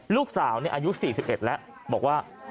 ลูกสาวอายุ๔๑แล้วบอกว่า